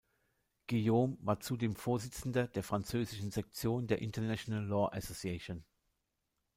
Guillaume war zudem Vorsitzender der französischen Sektion der International Law Association.